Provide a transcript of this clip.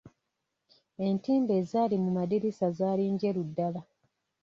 Entimbe ezaali mu madirisa zaali njeru ddala.